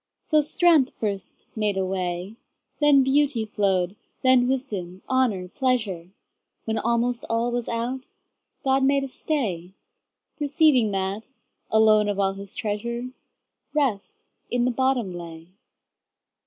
So strength first made a way, Then beauty flow'd, then wisdom, honour, pleasure; When almost all was out, God made a stay, Perceiving that, alone of all His treasure, Rest in the bottom lay.